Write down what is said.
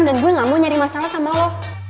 dan gue gak mau nyari masalah sama lo